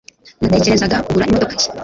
Natekerezaga kugura imodoka nshya.